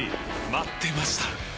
待ってました！